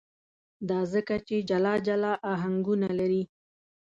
دا ځکه چې جلا جلا آهنګونه لري.